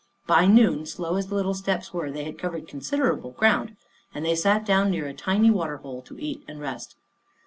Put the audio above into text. By noon, slow as the little steps were, they had covered considerable ground, and they sat down near a tiny water hole to eat and rest.